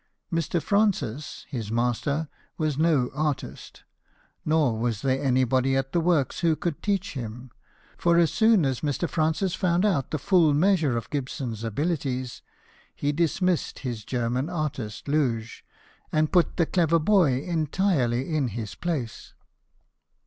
Mr. Francis, his master, was no artist ; nor was there anybody at the works who could teach him : for as soon as Mr. Francis found out the full measure of Gibson's abilities, he dismissed his German artist Ltige, and put the clever boy entirely in his place.